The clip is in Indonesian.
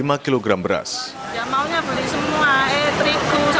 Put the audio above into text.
ya maunya beli semua eh terigu sama gula